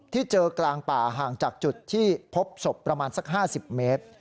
เจอกลางป่าห่างจากจุดที่พบศพประมาณสัก๕๐เมตร